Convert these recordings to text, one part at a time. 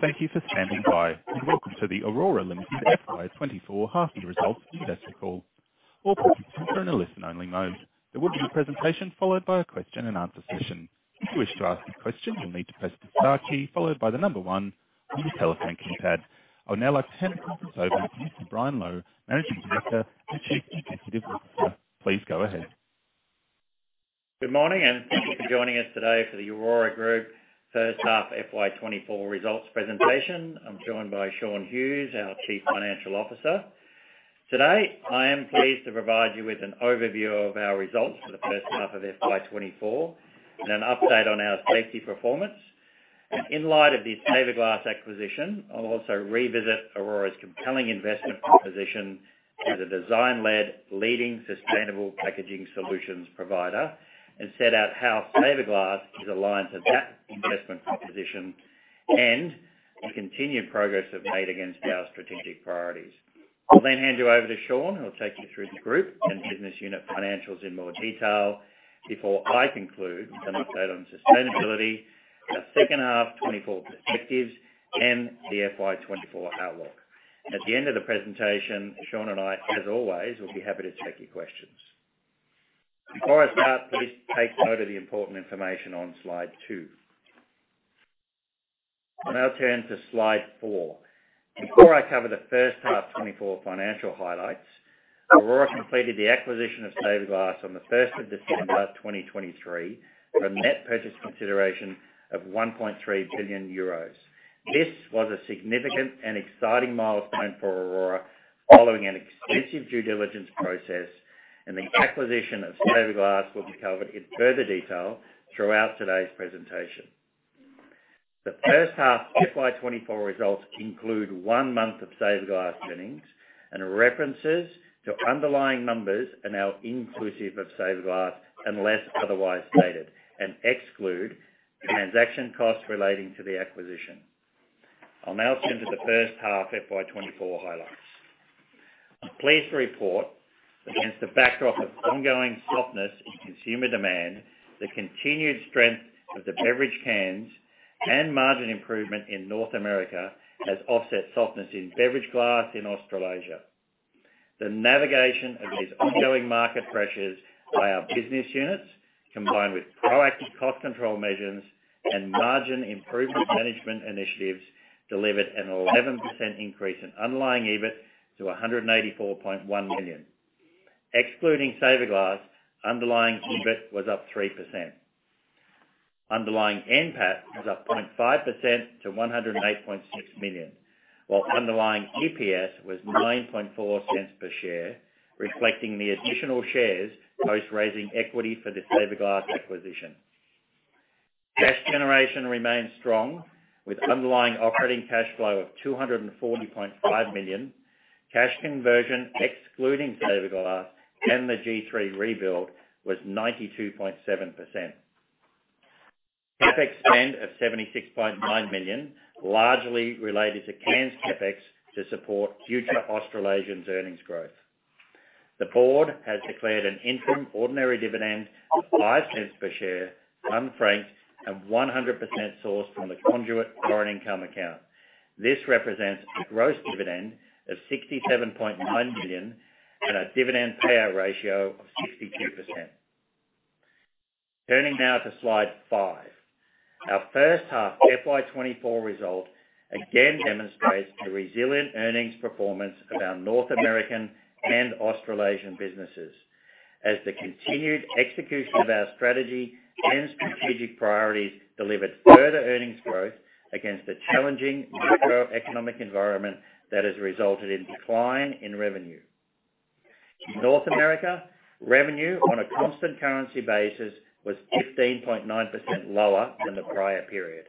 Thank you for standing by, and welcome to the Orora Limited FY 2024 half year results investor call. All participants are in a listen-only mode. There will be a presentation followed by a question-and-answer session. If you wish to ask a question, you'll need to press the star key followed by the number 1 on your telephone keypad. I would now like to hand the conference over to Mr. Brian Lowe, Managing Director, and Chief Executive Officer. Please go ahead. Good morning, and thank you for joining us today for the Orora Group first half FY 2024 results presentation. I'm joined by Shaun Hughes, our Chief Financial Officer. Today, I am pleased to provide you with an overview of our results for the first half of FY 2024 and an update on our safety performance. In light of the Saverglass acquisition, I'll also revisit Orora's compelling investment proposition as a design-led, leading sustainable packaging solutions provider, and set out how Saverglass is aligned to that investment proposition and the continued progress we've made against our strategic priorities. I'll then hand you over to Shaun, who will take you through the group and business unit financials in more detail before I conclude with an update on sustainability, our second half 2024 perspectives, and the FY 2024 outlook. At the end of the presentation, Shaun and I, as always, will be happy to take your questions. Before I start, please take note of the important information on Slide 2. I'll now turn to Slide 4. Before I cover the first half 2024 financial highlights, Orora completed the acquisition of Saverglass on the first of December 2023, for a net purchase consideration of 1.3 billion euros. This was a significant and exciting milestone for Orora, following an extensive due diligence process, and the acquisition of Saverglass will be covered in further detail throughout today's presentation. The first half FY 2024 results include one month of Saverglass earnings, and references to underlying numbers are now inclusive of Saverglass, unless otherwise stated, and exclude transaction costs relating to the acquisition. I'll now turn to the first half FY 2024 highlights. I'm pleased to report that against the backdrop of ongoing softness in consumer demand, the continued strength of the beverage cans and margin improvement in North America has offset softness in beverage glass in Australasia. The navigation of these ongoing market pressures by our business units, combined with proactive cost control measures and margin improvement management initiatives, delivered an 11% increase in underlying EBIT to 184.1 million. Excluding Saverglass, underlying EBIT was up 3%. Underlying NPAT was up 0.5% to 108.6 million, while underlying EPS was 0.094 per share, reflecting the additional shares post-raising equity for the Saverglass acquisition. Cash generation remains strong, with underlying operating cash flow of 240.5 million. Cash conversion, excluding Saverglass and the G3 rebuild, was 92.7%. CapEx spend of 76.9 million, largely related to cans CapEx to support future Australasia's earnings growth. The board has declared an interim ordinary dividend of 0.05 per share, unfranked, and 100% sourced from the conduit foreign income account. This represents a gross dividend of 67.9 million and a dividend payout ratio of 62%. Turning now to Slide 5. Our first half FY 2024 result again demonstrates the resilient earnings performance of our North American and Australasian businesses, as the continued execution of our strategy and strategic priorities delivered further earnings growth against a challenging macroeconomic environment that has resulted in decline in revenue. In North America, revenue on a constant currency basis was 15.9% lower than the prior period.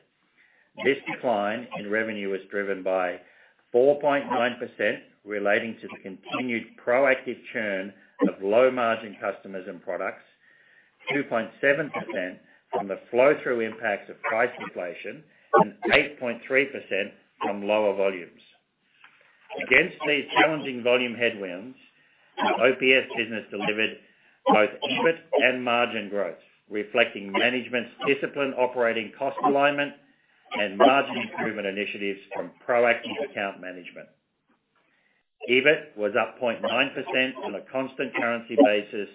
This decline in revenue was driven by 4.9% relating to the continued proactive churn of low-margin customers and products, 2.7% from the flow-through impacts of price inflation, and 8.3% from lower volumes. Against these challenging volume headwinds, our OPS business delivered both EBIT and margin growth, reflecting management's disciplined operating cost alignment and margin improvement initiatives from proactive account management. EBIT was up 0.9% on a constant currency basis,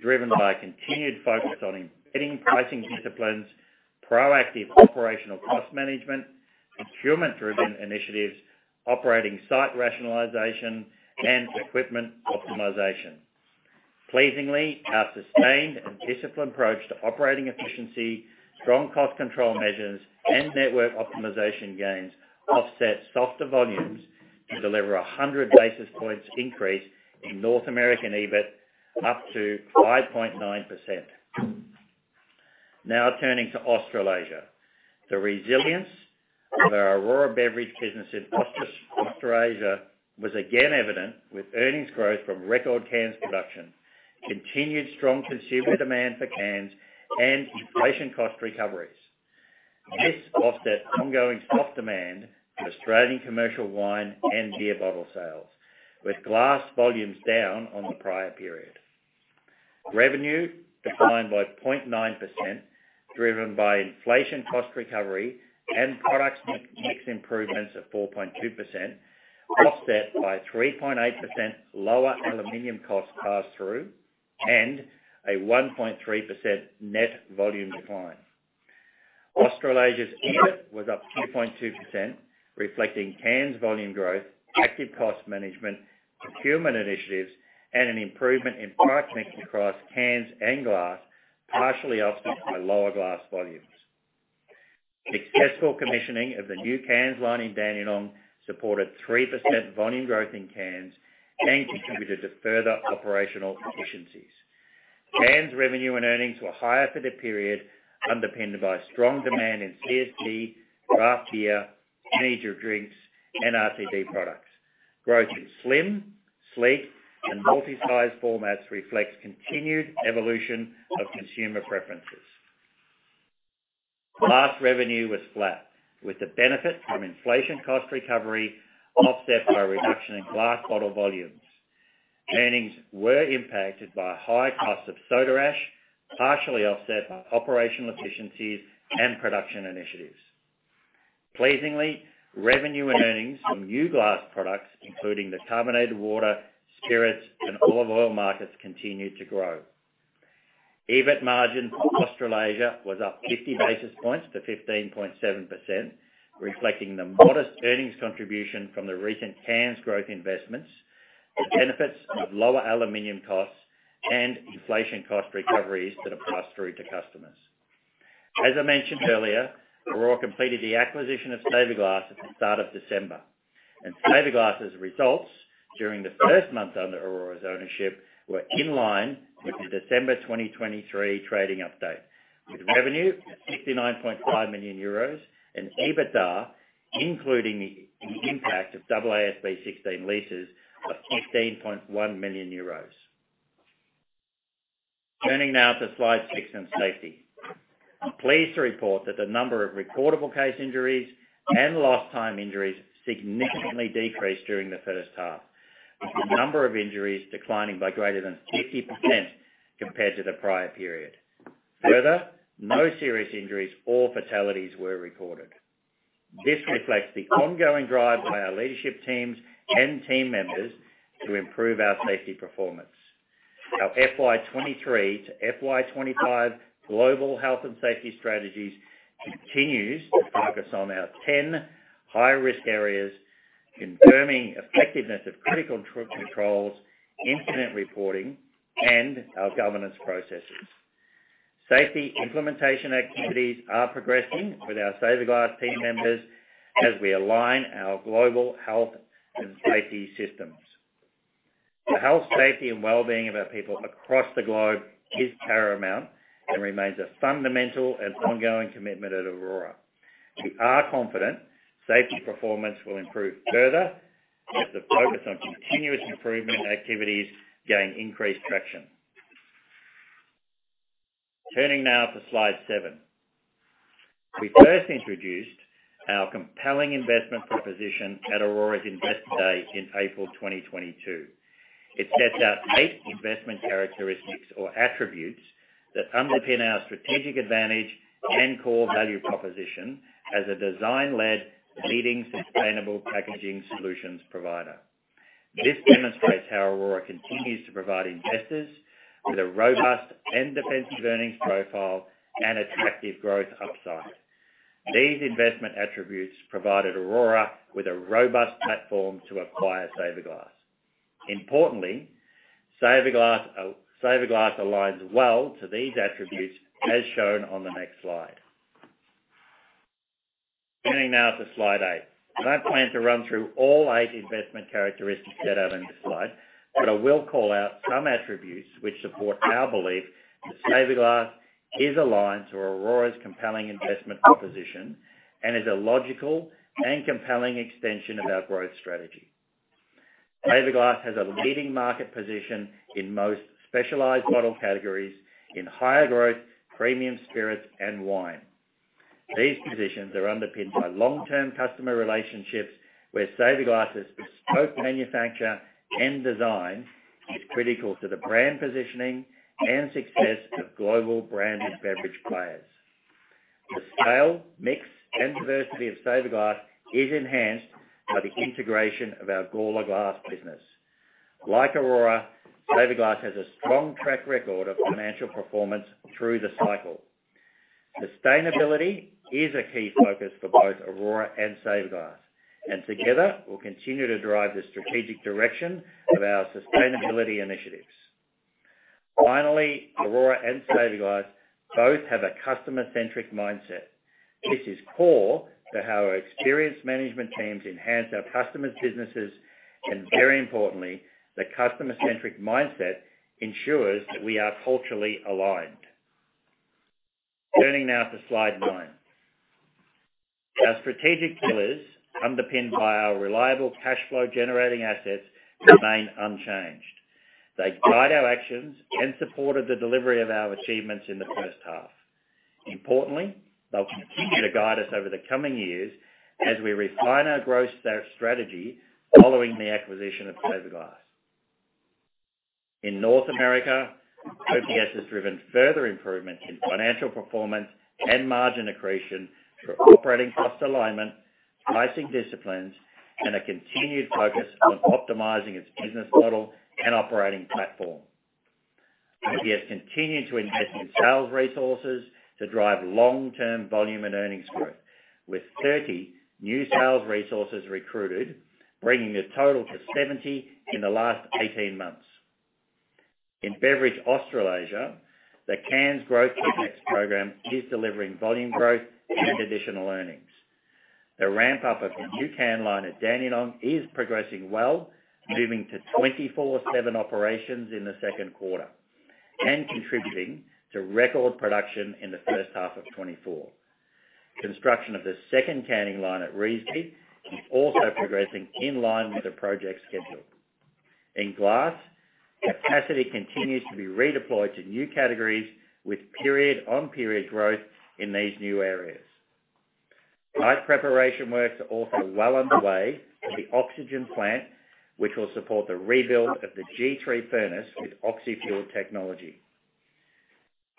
driven by continued focus on embedding pricing disciplines, proactive operational cost management, procurement-driven initiatives, operating site rationalization, and equipment optimization. Pleasingly, our sustained and disciplined approach to operating efficiency, strong cost control measures, and network optimization gains offset softer volumes to deliver 100 basis points increase in North American EBIT, up to 5.9%. Now turning to Australasia. The resilience of our Orora Beverage business in Australasia was again evident, with earnings growth from record cans production, continued strong consumer demand for cans, and inflation cost recoveries. This offset ongoing soft demand for Australian commercial wine and beer bottle sales, with glass volumes down on the prior period. Revenue declined by 0.9%, driven by inflation cost recovery and product mix improvements of 4.2%, offset by 3.8% lower aluminum cost pass-through, and a 1.3% net volume decline. Australasia's EBIT was up 2.2%, reflecting cans volume growth, active cost management, procurement initiatives, and an improvement in product mix across cans and glass, partially offset by lower glass volumes. Successful commissioning of the new cans line in Dandenong supported 3% volume growth in cans and contributed to further operational efficiencies. Cans revenue and earnings were higher for the period, underpinned by strong demand in CSD, draft beer, energy drinks, and RTD products. Growth in Slim, Sleek, and multi-size formats reflects continued evolution of consumer preferences. Glass revenue was flat, with the benefit from inflation cost recovery offset by a reduction in glass bottle volumes. Earnings were impacted by high costs of soda ash, partially offset by operational efficiencies and production initiatives. Pleasingly, revenue and earnings from new glass products, including the carbonated water, spirits, and olive oil markets, continued to grow. EBIT margin for Australasia was up 50 basis points to 15.7%, reflecting the modest earnings contribution from the recent cans growth investments, the benefits of lower aluminum costs, and inflation cost recoveries that are passed through to customers. As I mentioned earlier, Orora completed the acquisition of Saverglass at the start of December, and Saverglass' results during the first month under Orora's ownership were in line with the December 2023 trading update, with revenue at 69.5 million euros and EBITDA, including the impact of AASB 16 leases, of 15.1 million euros. Turning now to Slide 6 on safety. I'm pleased to report that the number of recordable case injuries and lost time injuries significantly decreased during the first half, with the number of injuries declining by greater than 50% compared to the prior period. Further, no serious injuries or fatalities were recorded. This reflects the ongoing drive by our leadership teams and team members to improve our safety performance. Our FY 2023 to FY 2025 global health and safety strategies continues to focus on our 10 high-risk areas, confirming effectiveness of critical controls, incident reporting, and our governance processes. Safety implementation activities are progressing with our Saverglass team members as we align our global health and safety systems. The health, safety, and well-being of our people across the globe is paramount and remains a fundamental and ongoing commitment at Orora. We are confident safety performance will improve further as the focus on continuous improvement activities gain increased traction. Turning now to Slide 7. We first introduced our compelling investment proposition at Orora's Investor Day in April 2022. It sets out eight investment characteristics or attributes that underpin our strategic advantage and core value proposition as a design-led, leading, sustainable packaging solutions provider. This demonstrates how Orora continues to provide investors with a robust and defensive earnings profile and attractive growth upside. These investment attributes provided Orora with a robust platform to acquire Saverglass. Importantly, Saverglass, Saverglass aligns well to these attributes, as shown on the next slide. Turning now to Slide 8. I don't plan to run through all eight investment characteristics set out in this slide, but I will call out some attributes which support our belief that Saverglass is aligned to Orora's compelling investment proposition and is a logical and compelling extension of our growth strategy. Saverglass has a leading market position in most specialized bottle categories in higher growth, premium spirits, and wine. These positions are underpinned by long-term customer relationships, where Saverglass' bespoke manufacture and design is critical to the brand positioning and success of global branded beverage players. The scale, mix, and diversity of Saverglass is enhanced by the integration of our Gawler Glass business. Like Orora, Saverglass has a strong track record of financial performance through the cycle. Sustainability is a key focus for both Orora and Saverglass, and together, we'll continue to drive the strategic direction of our sustainability initiatives. Finally, Orora and Saverglass both have a customer-centric mindset. This is core to how our experienced management teams enhance our customers' businesses, and very importantly, the customer-centric mindset ensures that we are culturally aligned. Turning now to Slide 9. Our strategic pillars, underpinned by our reliable cash flow-generating assets, remain unchanged. They guide our actions and supported the delivery of our achievements in the first half.... Importantly, they'll continue to guide us over the coming years as we refine our growth strategy, following the acquisition of Saverglass. In North America, OPS has driven further improvement in financial performance and margin accretion through operating cost alignment, pricing disciplines, and a continued focus on optimizing its business model and operating platform. OPS continued to invest in sales resources to drive long-term volume and earnings growth, with 30 new sales resources recruited, bringing the total to 70 in the last 18 months. In Beverage Australasia, the cans growth CapEx program is delivering volume growth and additional earnings. The ramp-up of the new can line at Dandenong is progressing well, moving to 24/7 operations in the second quarter and contributing to record production in the first half of 2024. Construction of the second canning line at Revesby is also progressing in line with the project schedule. In glass, capacity continues to be redeployed to new categories with period-on-period growth in these new areas. Site preparation works are also well underway for the oxygen plant, which will support the rebuild of the G3 furnace with oxy-fuel technology.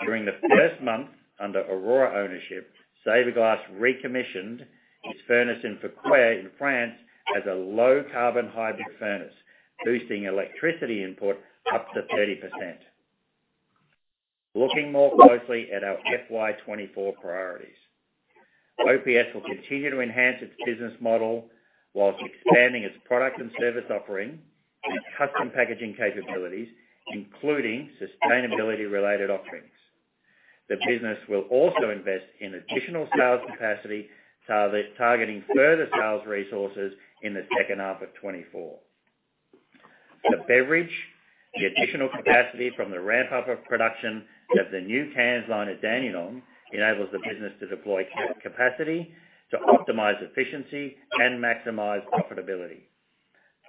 During the first month under Orora ownership, Saverglass recommissioned its furnace in Feuquières, in France, as a low-carbon hybrid furnace, boosting electricity input up to 30%. Looking more closely at our FY 2024 priorities. OPS will continue to enhance its business model while expanding its product and service offering and custom packaging capabilities, including sustainability-related offerings. The business will also invest in additional sales capacity, targeting further sales resources in the second half of 2024. For Beverage, the additional capacity from the ramp-up of production at the new cans line at Dandenong enables the business to deploy capacity to optimize efficiency and maximize profitability.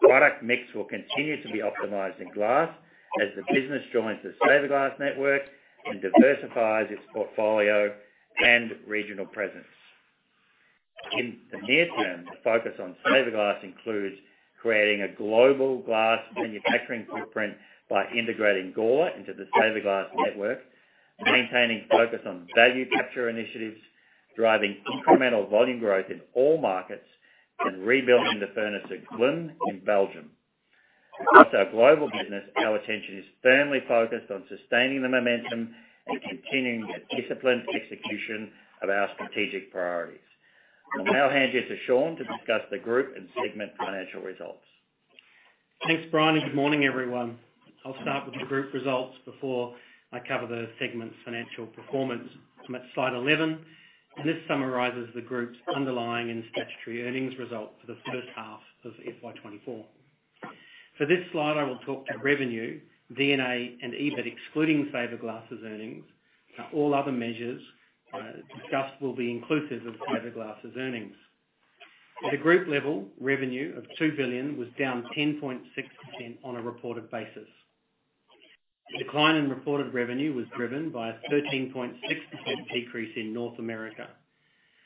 Product mix will continue to be optimized in glass as the business joins the Saverglass network and diversifies its portfolio and regional presence. In the near term, the focus on Saverglass includes creating a global glass manufacturing footprint by integrating Gawler into the Saverglass network, maintaining focus on value capture initiatives, driving incremental volume growth in all markets, and rebuilding the furnace at Ghlin, in Belgium. Across our global business, our attention is firmly focused on sustaining the momentum and continuing the disciplined execution of our strategic priorities. I'll now hand you to Shaun to discuss the group and segment financial results. Thanks, Brian, and good morning, everyone. I'll start with the group results before I cover the segment's financial performance. I'm at slide 11, and this summarizes the group's underlying and statutory earnings results for the first half of FY 2024. For this slide, I will talk to revenue, EBITDA, and EBIT, excluding Saverglass's earnings. Now, all other measures discussed will be inclusive of Saverglass's earnings. At a group level, revenue of 2 billion was down 10.6% on a reported basis. The decline in reported revenue was driven by a 13.6% decrease in North America,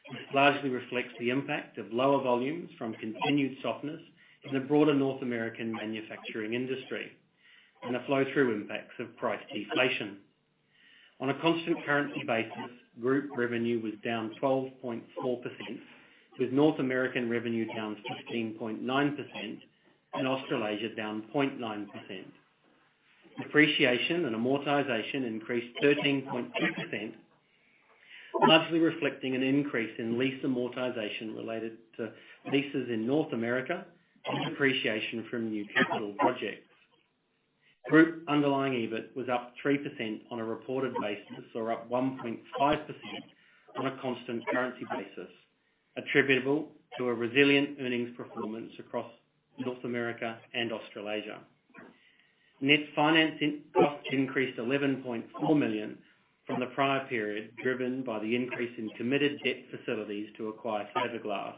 which largely reflects the impact of lower volumes from continued softness in the broader North American manufacturing industry and the flow-through impacts of price deflation. On a constant currency basis, group revenue was down 12.4%, with North American revenue down 15.9% and Australasia down 0.9%. Depreciation and amortization increased 13.2%, largely reflecting an increase in lease amortization related to leases in North America and depreciation from new capital projects. Group underlying EBIT was up 3% on a reported basis, or up 1.5% on a constant currency basis, attributable to a resilient earnings performance across North America and Australasia. Net financing costs increased 11.4 million from the prior period, driven by the increase in committed debt facilities to acquire Saverglass,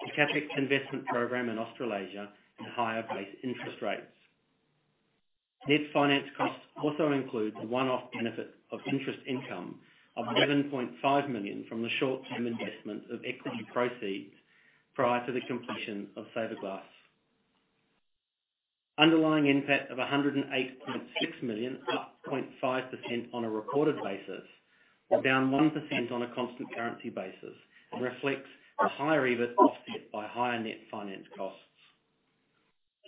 the CapEx investment program in Australasia, and higher base interest rates. Net finance costs also include the one-off benefit of interest income of 11.5 million from the short-term investment of equity proceeds prior to the completion of Saverglass. Underlying NPAT of 108.6 million, up 0.5% on a reported basis, was down 1% on a constant currency basis and reflects the higher EBIT offset by higher net finance costs.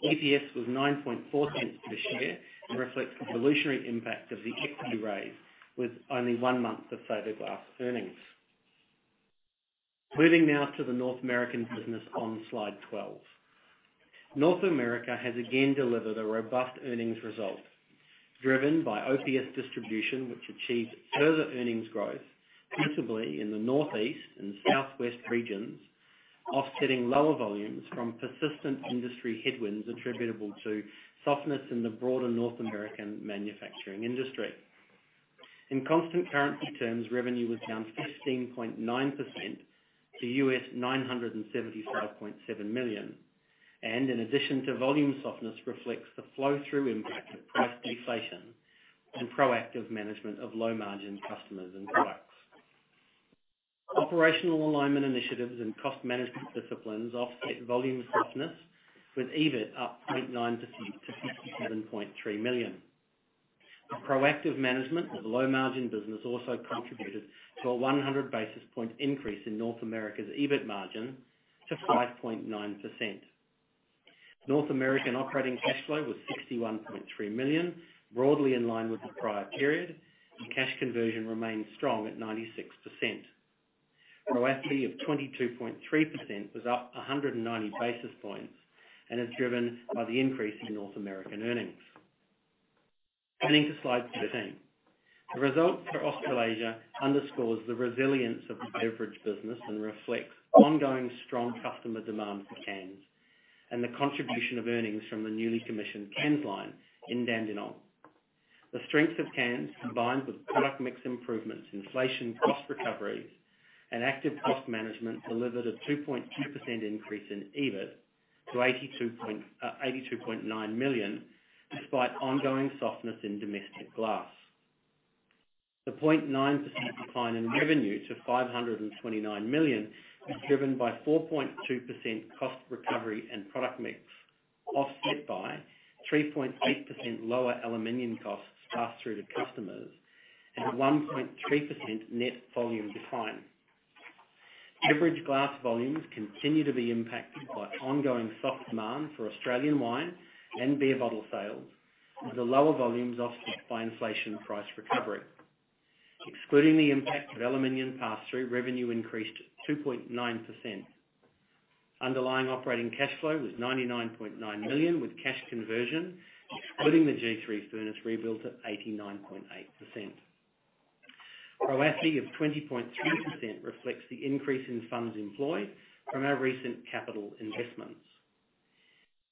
EPS was 0.094 per share and reflects the dilutive impact of the equity raise, with only one month of Saverglass earnings. Moving now to the North American business on Slide 12. North America has again delivered a robust earnings result, driven by OPS distribution, which achieved further earnings growth, principally in the Northeast and Southwest regions, offsetting lower volumes from persistent industry headwinds attributable to softness in the broader North American manufacturing industry. In constant currency terms, revenue was down 15.9% to $975.7 million. In addition to volume softness, reflects the flow-through impact of price deflation and proactive management of low-margin customers and products. Operational alignment initiatives and cost management disciplines offset volume softness, with EBIT up 0.9% to $57.3 million. The proactive management of low-margin business also contributed to a 100 basis point increase in North America's EBIT margin to 5.9%. North American operating cash flow was $61.3 million, broadly in line with the prior period, and cash conversion remained strong at 96%. ROACE of 22.3% was up 190 basis points and is driven by the increase in North American earnings. Turning to Slide 13. The results for Australasia underscore the resilience of the beverage business and reflect ongoing strong customer demand for cans, and the contribution of earnings from the newly commissioned cans line in Dandenong. The strength of cans, combined with product mix improvements, inflation cost recoveries, and active cost management, delivered a 2.2% increase in EBIT to 82.9 million, despite ongoing softness in domestic glass. The 0.9% decline in revenue to 529 million was driven by 4.2% cost recovery and product mix, offset by 3.8% lower aluminum costs passed through to customers, and a 1.3% net volume decline. Beverage glass volumes continue to be impacted by ongoing soft demand for Australian wine and beer bottle sales, with the lower volumes offset by inflation price recovery. Excluding the impact of aluminum pass-through, revenue increased 2.9%. Underlying operating cash flow was 99.9 million, with cash conversion, excluding the G3 furnace rebuild, at 89.8%. ROACE of 20.2% reflects the increase in funds employed from our recent capital investments.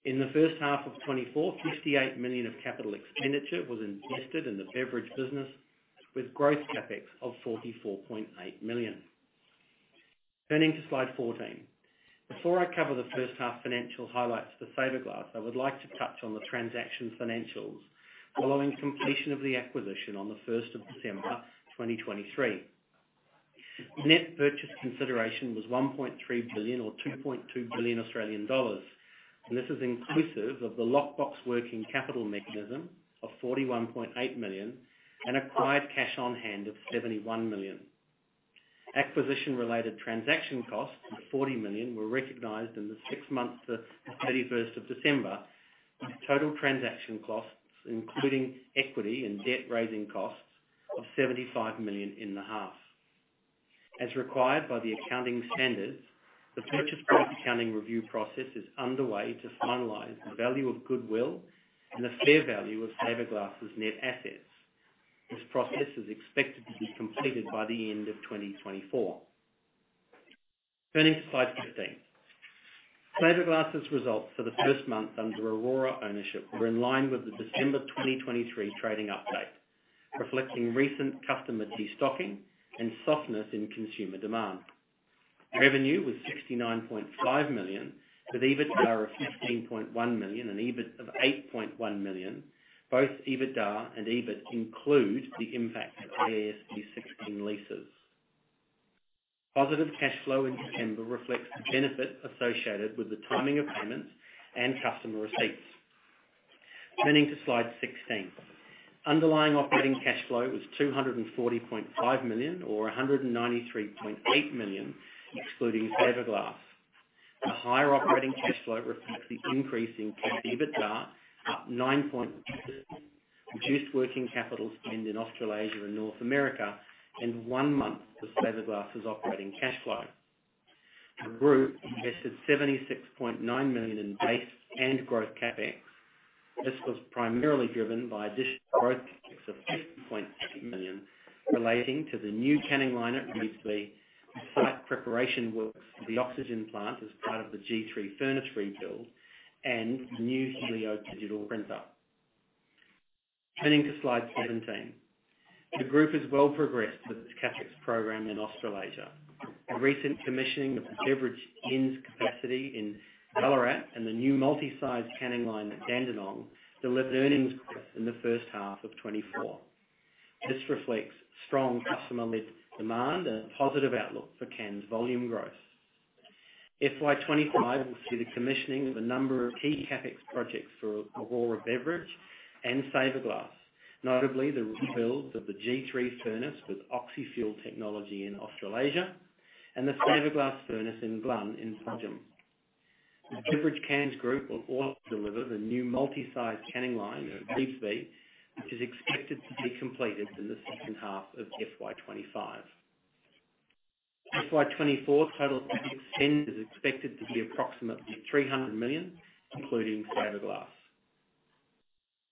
In the first half of 2024, 58 million of capital expenditure was invested in the beverage business, with growth CapEx of 44.8 million. Turning to Slide 14. Before I cover the first half financial highlights for Saverglass, I would like to touch on the transaction financials following completion of the acquisition on the first of December 2023. Net purchase consideration was 1.3 billion or 2.2 billion Australian dollars, and this is inclusive of the lock box working capital mechanism of 41.8 million, and acquired cash on hand of 71 million. Acquisition-related transaction costs of 40 million were recognized in the six months to the thirty-first of December, with total transaction costs, including equity and debt-raising costs, of 75 million in the half. As required by the accounting standards, the purchase price accounting review process is underway to finalize the value of goodwill and the fair value of Saverglass' net assets. This process is expected to be completed by the end of 2024. Turning to Slide 15. Saverglass' results for the first month under Orora ownership were in line with the December 2023 trading update, reflecting recent customer de-stocking and softness in consumer demand. Revenue was 69.5 million, with EBITDA of 15.1 million and EBIT of 8.1 million. Both EBITDA and EBIT include the impact of AASB 16 leases. Positive cash flow in December reflects the benefit associated with the timing of payments and customer receipts. Turning to Slide 16. Underlying operating cash flow was 240.5 million, or 193.8 million, excluding Saverglass. The higher operating cash flow reflects the increase in EBITDA, up 9%, reduced working capital spend in Australasia and North America, and one month of Saverglass' operating cash flow. The group invested 76.9 million in base and growth CapEx. This was primarily driven by additional growth of 60.2 million, relating to the new canning line at Revesby, site preparation works for the oxygen plant as part of the G3 furnace rebuild, and new Helio digital printer. Turning to Slide 17. The group is well progressed with its CapEx program in Australasia. The recent commissioning of the beverage cans capacity in Ballarat and the new multi-size canning line at Dandenong delivered earnings growth in the first half of 2024. This reflects strong customer lead demand and a positive outlook for canned volume growth. FY 2025 will see the commissioning of a number of key CapEx projects for Orora Beverage and Saverglass, notably the rebuild of the G3 furnace with oxy-fuel technology in Australasia and the Saverglass furnace in Ghlin, in Belgium. The Beverage Cans Group will also deliver the new multi-size canning line at Revesby, which is expected to be completed in the second half of FY 2025. FY 2024 total CapEx spend is expected to be approximately 300 million, including Saverglass.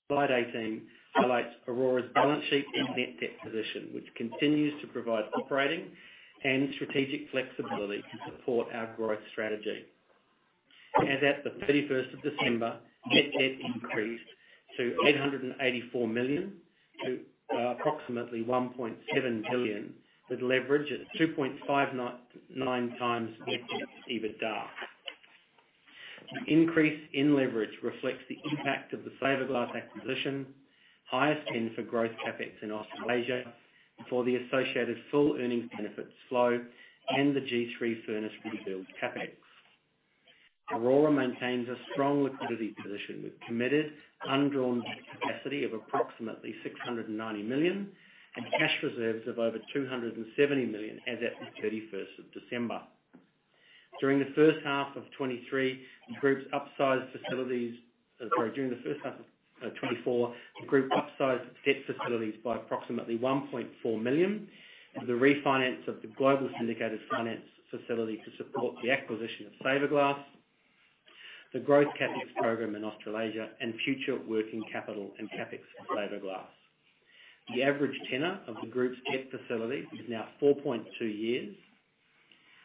Slide 18 highlights Orora's balance sheet and net debt position, which continues to provide operating and strategic flexibility to support our growth strategy. As at the thirty-first of December, net debt increased to 884 million to approximately 1.7 billion, with leverage at 2.59x EBITDA. The increase in leverage reflects the impact of the Saverglass acquisition, higher spend for growth CapEx in Australasia before the associated full earnings benefits flow and the G3 furnace rebuild CapEx. Orora maintains a strong liquidity position, with committed undrawn capacity of approximately 690 million, and cash reserves of over 270 million as at the thirty-first of December. During the first half of 2024, the group upsized debt facilities by approximately 1.4 million, and the refinance of the global syndicated finance facility to support the acquisition of Saverglass, the growth CapEx program in Australasia, and future working capital and CapEx for Saverglass. The average tenor of the group's debt facility is now 4.2 years.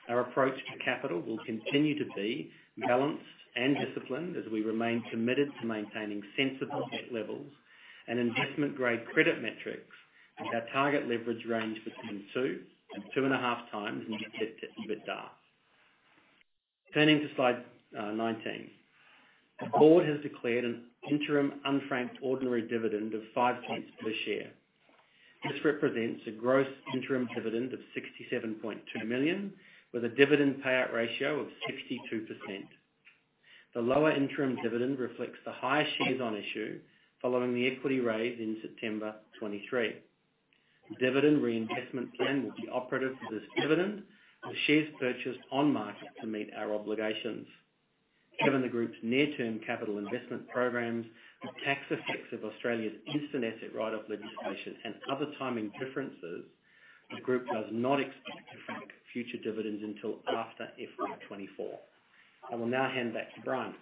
Our approach to capital will continue to be balanced and disciplined, as we remain committed to maintaining sensible debt levels and investment-grade credit metrics, with our target leverage range between two and 2.5x net debt to EBITDA. Turning to slide 19. The board has declared an interim, unfranked, ordinary dividend of 0.05 per share. This represents a gross interim dividend of 67.2 million, with a dividend payout ratio of 62%. The lower interim dividend reflects the higher shares on issue following the equity raise in September 2023. The dividend reinvestment plan will be operative for this dividend, with shares purchased on market to meet our obligations. Given the group's near-term capital investment programs, the tax effects of Australia's instant asset write-off legislation, and other timing differences, the group does not expect to frank future dividends until after FY 2024. I will now hand back to Brian.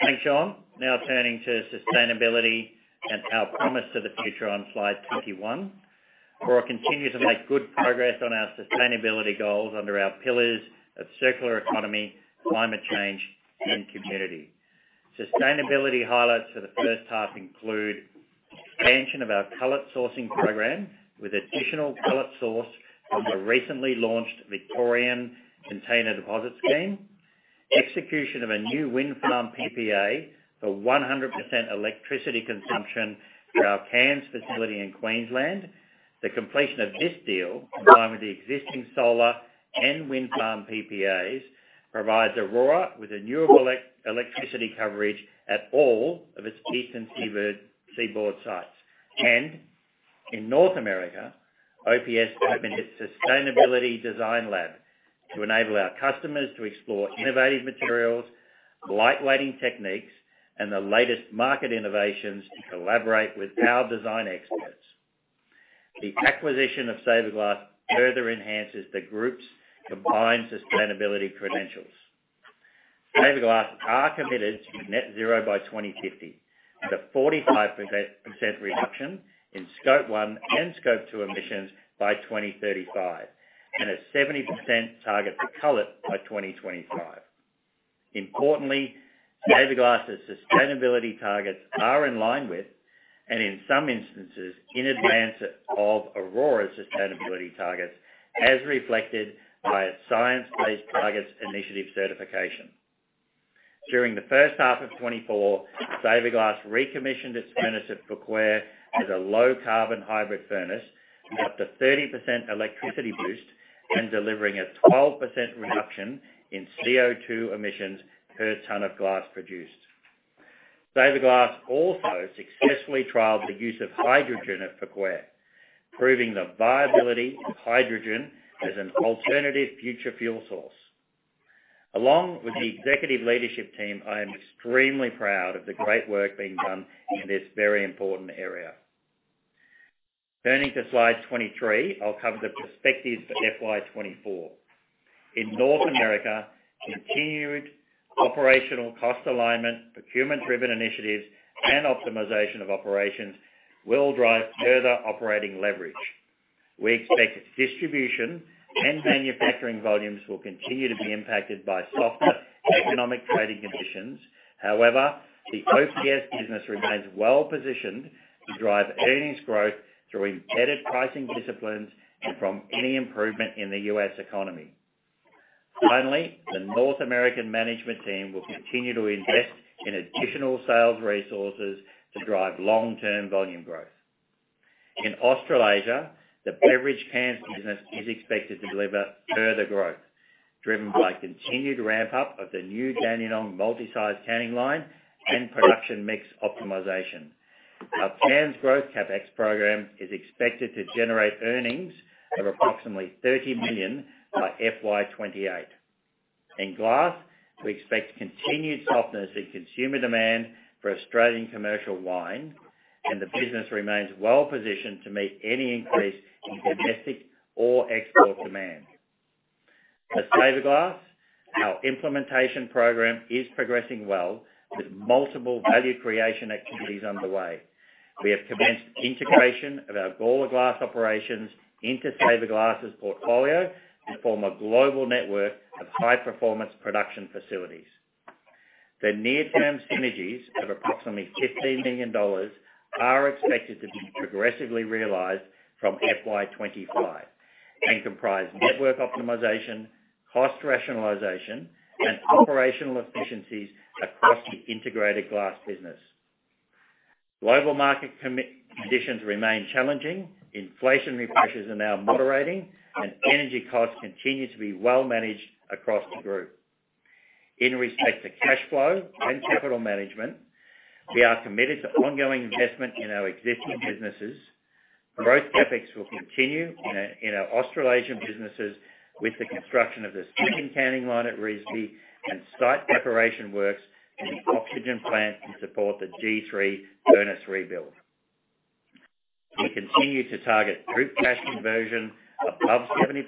Thanks, Shaun. Now turning to sustainability and our promise to the future on Slide 21. Orora continues to make good progress on our sustainability goals under our pillars of circular economy, climate change, and community. Sustainability highlights for the first half include expansion of our cullet sourcing program, with additional cullet sourced from the recently launched Victorian Container Deposit Scheme. Execution of a new wind farm PPA for 100% electricity consumption for our cans facility in Queensland. The completion of this deal, combined with the existing solar and wind farm PPAs, provides Orora with renewable electricity coverage at all of its Eastern Seaboard sites. And in North America, OPS opened its Sustainability Design Lab to enable our customers to explore innovative materials, light weighting techniques, and the latest market innovations to collaborate with our design experts. The acquisition of Saverglass further enhances the group's combined sustainability credentials. Saverglass are committed to net zero by 2050, with a 45% reduction in Scope 1 and Scope 2 emissions by 2035, and a 70% target for cullet by 2025. Importantly, Saverglass's sustainability targets are in line with, and in some instances, in advance of Orora's sustainability targets, as reflected by its Science Based Targets initiative certification. During the first half of 2024, Saverglass recommissioned its furnace at Feuquières as a low-carbon hybrid furnace, with up to 30% electricity boost and delivering a 12% reduction in CO2 emissions per ton of glass produced. Saverglass also successfully trialed the use of hydrogen at Feuquières, proving the viability of hydrogen as an alternative future fuel source. Along with the executive leadership team, I am extremely proud of the great work being done in this very important area. Turning to Slide 23, I'll cover the perspectives for FY 2024. In North America, continued operational cost alignment, procurement-driven initiatives, and optimization of operations will drive further operating leverage. We expect distribution and manufacturing volumes will continue to be impacted by softer economic trading conditions. However, the OPS business remains well-positioned to drive earnings growth through embedded pricing disciplines and from any improvement in the U.S. economy. Finally, the North American management team will continue to invest in additional sales resources to drive long-term volume growth. In Australasia, the beverage cans business is expected to deliver further growth, driven by continued ramp-up of the new Dandenong multi-size canning line and production mix optimization. Our cans growth CapEx program is expected to generate earnings of approximately 30 million by FY 2028. In glass, we expect continued softness in consumer demand for Australian commercial wine, and the business remains well positioned to meet any increase in domestic or export demand. At Saverglass, our implementation program is progressing well, with multiple value creation activities underway. We have commenced integration of our Gawler Glass operations into Saverglass's portfolio to form a global network of high-performance production facilities. The near-term synergies of approximately 15 million dollars are expected to be progressively realized from FY 2025 and comprise network optimization, cost rationalization, and operational efficiencies across the integrated glass business. Global market conditions remain challenging, inflationary pressures are now moderating, and energy costs continue to be well managed across the group. In respect to cash flow and capital management, we are committed to ongoing investment in our existing businesses. Growth CapEx will continue in our Australasian businesses with the construction of the second canning line at Revesby and site preparation works and the oxygen plant to support the G3 furnace rebuild. We continue to target group cash conversion above 70%,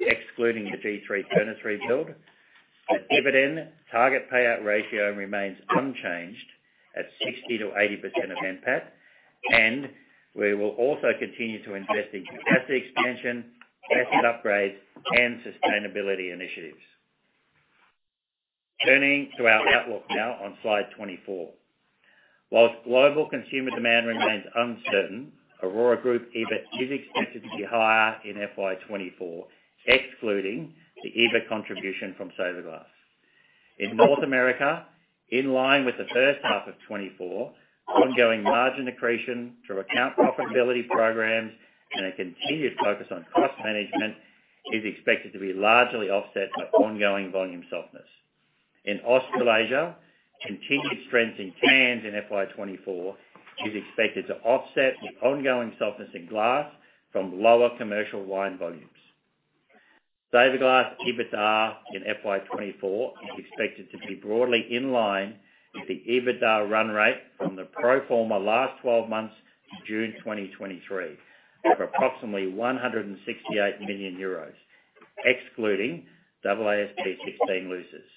excluding the G3 furnace rebuild. The dividend target payout ratio remains unchanged at 60%-80% of NPAT, and we will also continue to invest in capacity expansion, asset upgrades, and sustainability initiatives. Turning to our outlook now on Slide 24. While global consumer demand remains uncertain, Orora Group EBIT is expected to be higher in FY 2024, excluding the EBIT contribution from Saverglass. In North America, in line with the first half of 2024, ongoing margin accretion through account profitability programs and a continued focus on cost management is expected to be largely offset by ongoing volume softness. In Australasia, continued strength in cans in FY 2024 is expected to offset the ongoing softness in glass from lower commercial wine volumes. Saverglass EBITDA in FY 2024 is expected to be broadly in line with the EBITDA run rate from the pro forma last twelve months to June 2023, of approximately 168 million euros, excluding AASB 16 leases.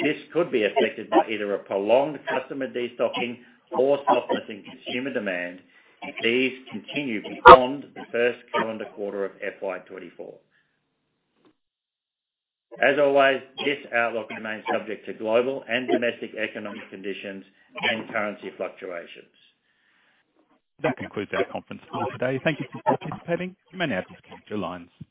This could be affected by either a prolonged customer destocking or softness in consumer demand, if these continue beyond the first calendar quarter of FY 2024. As always, this outlook remains subject to global and domestic economic conditions and currency fluctuations. That concludes our conference call today. Thank you for participating. You may now disconnect your lines.